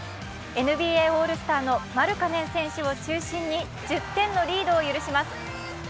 ＮＢＡオールスターのマルカネン選手を中心に１０点のリードを許します。